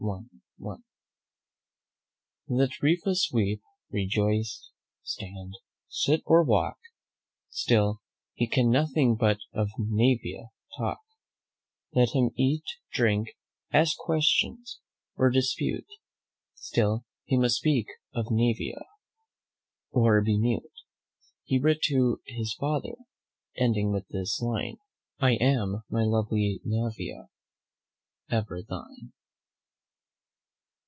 Let Rufus weep, rejoice, stand, sit or walk, Still he can nothing but of NAEVIA talk; Let him eat, drink, ask questions, or dispute, Still he must speak of NAEVIA, or be mute. He writ to his father, ending with this line, "I am, my lovely NAEVIA, ever thine."